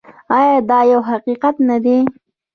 آیا دا یو حقیقت نه دی؟